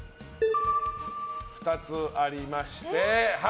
２つありまして